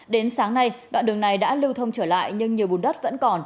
đến sáng nay đoạn đường này đã lưu thông trở lại nhưng nhiều bùn đất vẫn còn